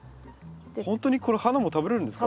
本当にこの花も食べれるんですか？